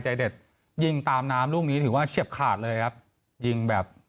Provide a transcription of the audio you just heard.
ใจเด็ดยิงตามน้ำลูกนี้ถือว่าเฉียบขาดเลยครับยิงแบบ